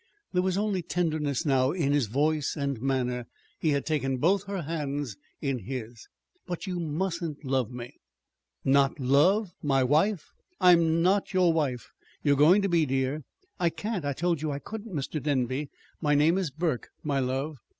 There was only tenderness now in his voice and manner. He had taken both her hands in his. "But you mustn't love me." "Not love my wife?" "I'm not your wife." "You're going to be, dear." "I can't. I told you I couldn't, Mr. Denby." "My name is 'Burke,' my love."